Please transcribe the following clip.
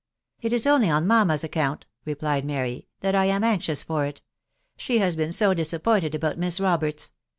It is only on mamma's account," replied Mary, " that I am anxious for it ;•••• she has been so disappointed about Miss Roberts